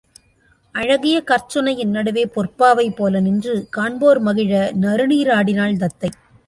அழகிய கற்சுனையின் நடுவே பொற்பாவைபோல நின்று, காண்போர் மகிழ நறுநீராடினாள் தத்தை.